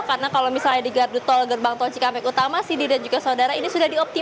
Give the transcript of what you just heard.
karena kalau misalnya di gardu tol gerbang tol cikamek utama sidi dan juga saudara ini sudah dioperasi